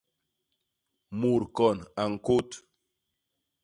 Mut kon a ñkôt